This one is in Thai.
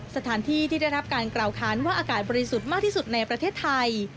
สถานที่ที่ได้รับการกล่าวค้านว่าอากาศบริสุทธิ์มากที่สุดในประเทศไทย